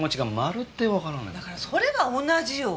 だからそれは同じよ。